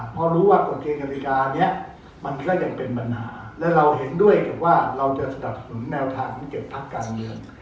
เพราะรู้ว่ากฎเกณฑ์กฎิกานี้มันก็ยังเป็นปัญหาและเราเห็นด้วยกับว่าเราจะสนับสนุนแนวทางของ๗พักการเมือง